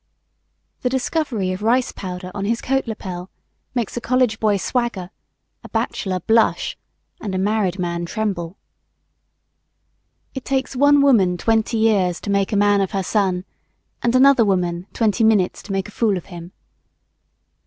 The discovery of rice powder on his coat lapel makes a college boy swagger, a bachelor blush, and a married man tremble. It takes one woman twenty years to make a man of her son and another woman twenty minutes to make a fool of him.